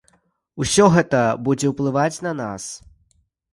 Усё гэта будзе уплываць на нас.